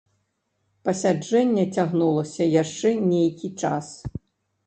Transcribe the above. Пасяджэнне цягнулася яшчэ нейкі час.